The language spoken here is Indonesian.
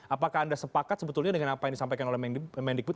apakah anda sepakat sebetulnya dengan apa yang disampaikan oleh mendikbud